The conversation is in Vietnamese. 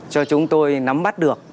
cho chúng tôi nắm bắt được